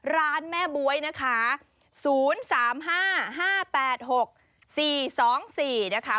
ร้านแม่บ๊วยนะคะ๐๓๕๕๘๖๔๒๔นะคะ